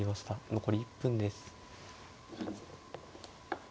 残り１分です。